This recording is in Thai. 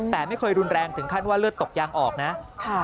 แต่ไม่เคยรุนแรงถึงขั้นว่าเลือดตกยางออกนะ